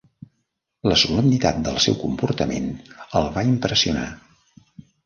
La solemnitat del seu comportament el va impressionar.